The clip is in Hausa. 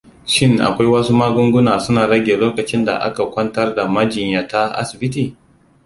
Shin akwai wasu magunguna suna rage lokacin da aka kwantar da majinyata asibiti?